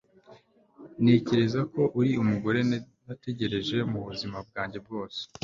ntekereza ko uri umugore nategereje ubuzima bwanjye bwose